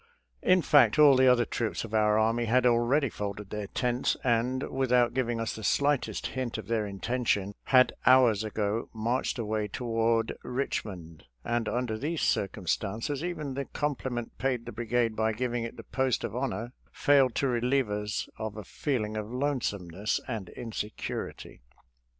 In fact, all the other troops of our army had already folded their tents, and, without giving us the slightest hint of their intention, had hours ago marched away toward Richmond, and under these circumstances even the compliment paid the brigade by giving it the post of honor failed to relieve us of a feeling of lonesomeness and insecurity.